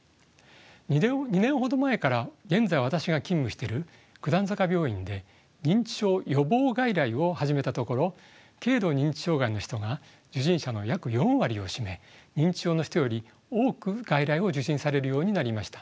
２年ほど前から現在私が勤務してる九段坂病院で認知症予防外来を始めたところ軽度認知障害の人が受診者の約４割を占め認知症の人より多く外来を受診されるようになりました。